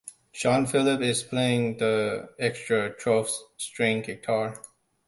Shawn Phillips is playing the extra twelve-string guitar.